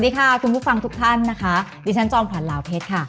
สวัสดีค่ะคุณผู้ฟังทุกท่านนะคะดิฉันจอมขวัญเหลาเพชรค่ะ